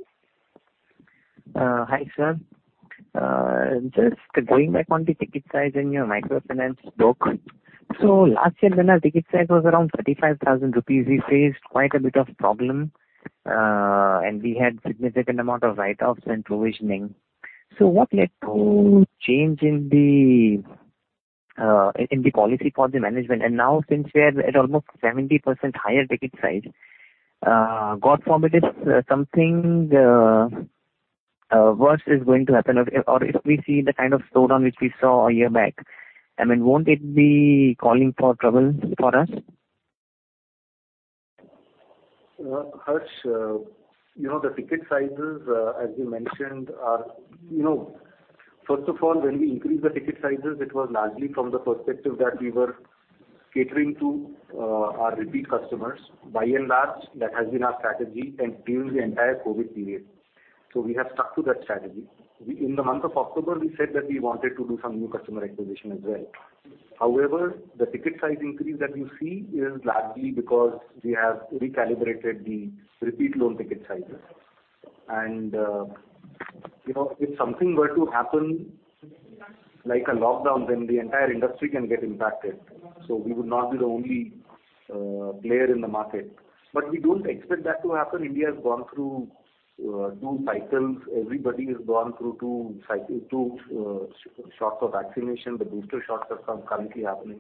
Hi, sir. Just going back on the ticket size in your microfinance book. Last year when our ticket size was around 35,000 rupees, we faced quite a bit of problem, and we had significant amount of write-offs and provisioning. What led to change in the policy for the management? Now since we're at almost 70% higher ticket size, God forbid if something worse is going to happen or if we see the kind of slowdown which we saw a year back, I mean, won't it be calling for trouble for us? Harsh, you know, the ticket sizes, as we mentioned, are. You know, first of all, when we increased the ticket sizes, it was largely from the perspective that we were catering to our repeat customers. By and large, that has been our strategy and during the entire COVID period. We have stuck to that strategy. In the month of October, we said that we wanted to do some new customer acquisition as well. However, the ticket size increase that you see is largely because we have recalibrated the repeat loan ticket sizes. You know, if something were to happen like a lockdown, then the entire industry can get impacted. We would not be the only player in the market. We don't expect that to happen. India has gone through two cycles. Everybody has gone through two shots of vaccination. The booster shots are currently happening,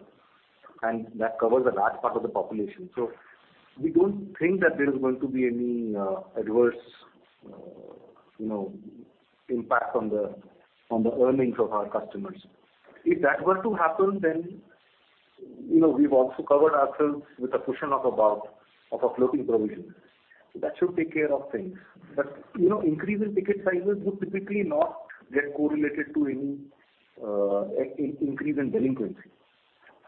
and that covers a large part of the population. We don't think that there is going to be any adverse, you know, impact on the earnings of our customers. If that were to happen, then, you know, we've also covered ourselves with a cushion of about a floating provision. That should take care of things. Increase in ticket sizes would typically not get correlated to any increase in delinquency.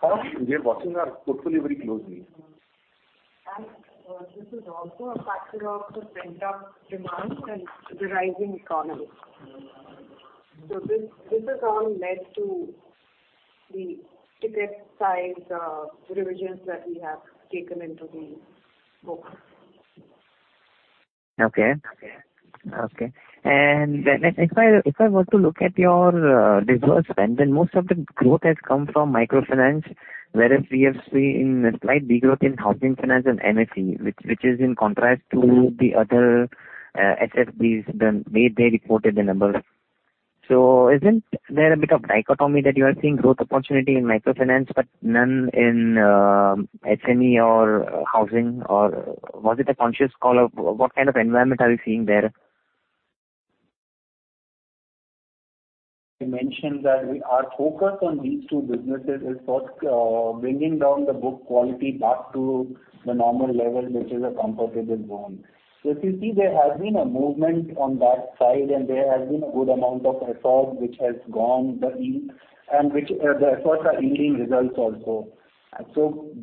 How- We are watching that hopefully very closely. This is also a factor of the pent-up demand and the rising economy. This has all led to the ticket size revisions that we have taken into the books. If I were to look at your disbursement, most of the growth has come from microfinance, whereas we have seen a slight degrowth in housing finance and MSME, which is in contrast to the other SFBs when they reported the numbers. Isn't there a bit of dichotomy that you are seeing growth opportunity in microfinance but none in SME or housing or was it a conscious call of what kind of environment are we seeing there? We mentioned that our focus on these two businesses is for bringing down the book quality back to the normal level, which is a comfortable zone. If you see, there has been a movement on that side, and there has been a good amount of effort which has gone, the efforts are yielding results also.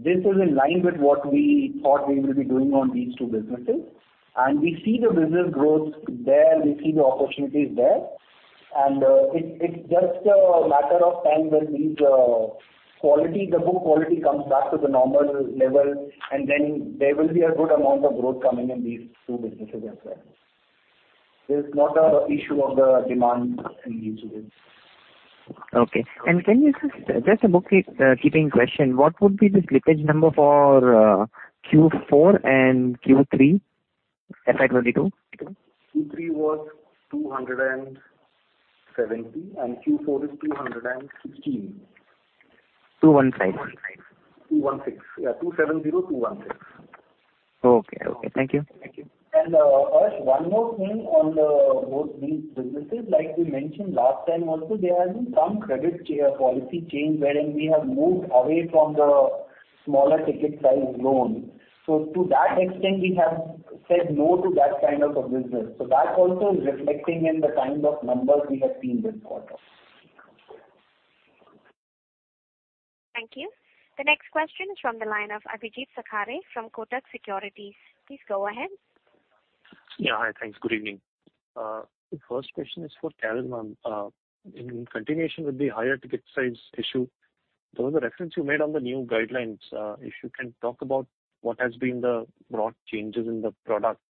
This is in line with what we thought we will be doing on these two businesses. We see the business growth there, we see the opportunities there. It's just a matter of time when these quality, the book quality comes back to the normal level, and then there will be a good amount of growth coming in these two businesses as well. This is not an issue of the demand in these businesses. Okay. Just a housekeeping question. What would be the slippage number for Q4 and Q3 FY 2022? Q3 was 270, and Q4 is 216. 216. 216. Yeah. 270216. Okay. Thank you. Harsh, one more thing on both these businesses. Like we mentioned last time also, there has been some credit policy change wherein we have moved away from the smaller ticket size loans. To that extent, we have said no to that kind of a business. That also is reflecting in the kind of numbers we have seen this quarter. Thank you. The next question is from the line of Abhijeet Sakhare from Kotak Securities. Please go ahead. Yeah. Hi. Thanks. Good evening. The first question is for Carol, ma'am. In continuation with the higher ticket size issue, there was a reference you made on the new guidelines. If you can talk about what has been the broad changes in the product.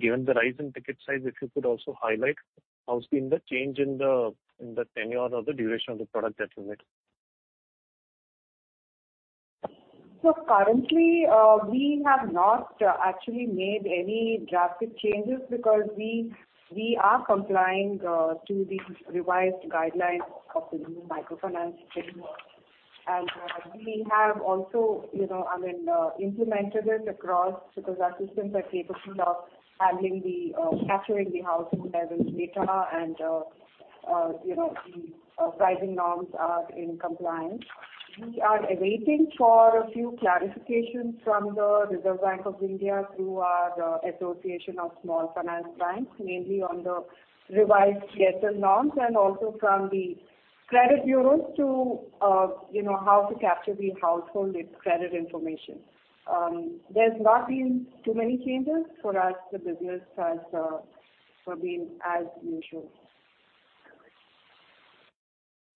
Given the rise in ticket size, if you could also highlight how's been the change in the tenure or the duration of the product that you made. Currently, we have not actually made any drastic changes because we are complying to the revised guidelines of the new microfinance framework. We have also, you know, I mean, implemented it across because our systems are capable of handling the capturing the household level data and, you know, the pricing norms are in compliance. We are awaiting for a few clarifications from the Reserve Bank of India through the Association of Small Finance Banks, mainly on the revised CSR norms and also from the credit bureaus to, you know, how to capture the household credit information. There's not been too many changes. For us, the business has been as usual.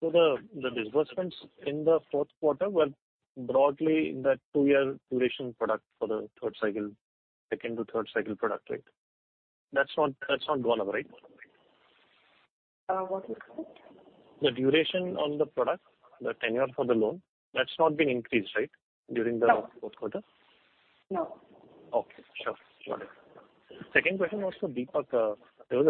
The disbursements in the fourth quarter were broadly in that two year duration product for the third cycle, second to third cycle product, right? That's not gone up, right? What is that? The duration on the product, the tenure for the loan, that's not been increased, right? During the No. fourth quarter. No. Okay. Sure. Got it. Second question was for Deepak. Was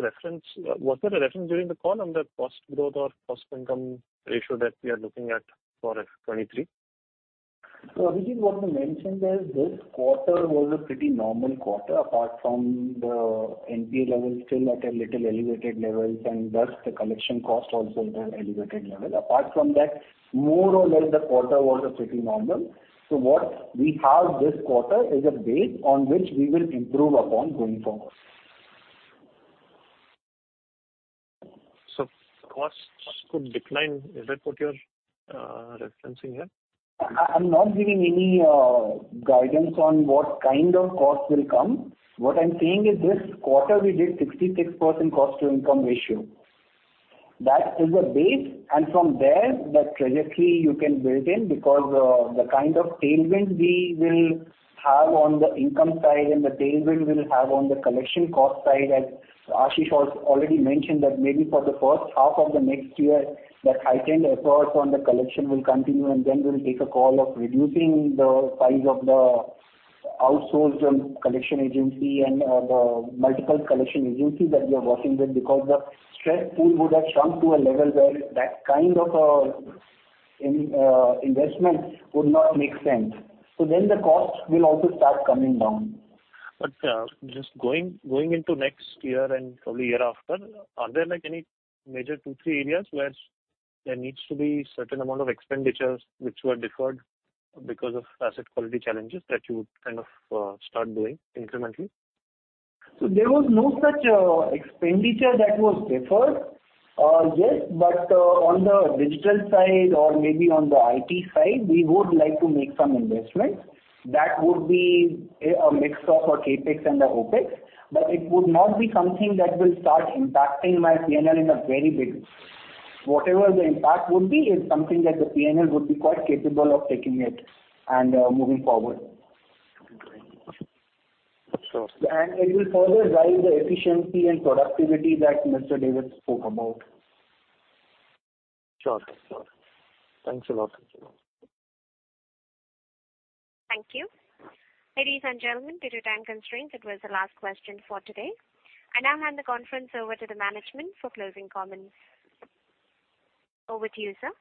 there a reference during the call on the cost growth or cost income ratio that we are looking at for FY 2023? This is what we mentioned that this quarter was a pretty normal quarter apart from the NPA level still at a little elevated levels and thus the collection cost also at an elevated level. Apart from that, more or less the quarter was a pretty normal. What we have this quarter is a base on which we will improve upon going forward. Costs could decline. Is that what you're referencing here? I'm not giving any guidance on what kind of cost will come. What I'm saying is this quarter we did 66% cost to income ratio. That is a base, and from there the trajectory you can build in because the kind of tailwind we will have on the income side and the tailwind we'll have on the collection cost side, as Ashish has already mentioned that maybe for the first half of the next year that heightened efforts on the collection will continue and then we'll take a call of reducing the size of the outsourced collection agency and the multiple collection agencies that we are working with because the stress pool would have shrunk to a level where that kind of an investment would not make sense. The cost will also start coming down. Just going into next year and probably year after, are there like any major two, three areas where there needs to be certain amount of expenditures which were deferred because of asset quality challenges that you would kind of start doing incrementally? There was no such expenditure that was deferred. Yes, but on the digital side or maybe on the IT side, we would like to make some investments that would be a mix of a CapEx and the OpEx, but it would not be something that will start impacting my P&L in a very big way. Whatever the impact would be is something that the P&L would be quite capable of taking it and moving forward. Sure. It will further drive the efficiency and productivity that Mr. Ittira Davis spoke about. Sure. Thanks a lot. Thank you. Ladies and gentlemen, due to time constraints, that was the last question for today. I now hand the conference over to the management for closing comments. Over to you, sir.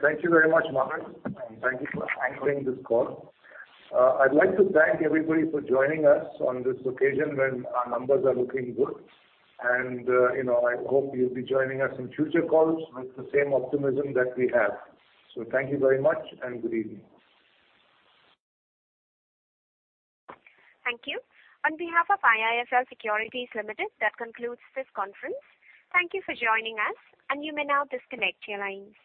Thank you very much, Margaret, and thank you for anchoring this call. I'd like to thank everybody for joining us on this occasion when our numbers are looking good. You know, I hope you'll be joining us in future calls with the same optimism that we have. Thank you very much and good evening. Thank you. On behalf of IIFL Securities Limited, that concludes this conference. Thank you for joining us and you may now disconnect your lines.